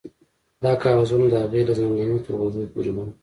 دا کاغذونه د هغې له زنګنو تر غوږونو پورې وو